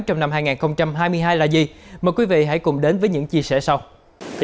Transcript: trong năm hai nghìn hai mươi hai là gì mời quý vị hãy cùng đến với những chia sẻ sau